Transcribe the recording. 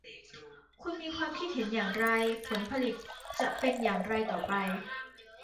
คุณมีความคิดเห็นอย่างไร ผลผลิตจะเป็นอย่างไรต่อไป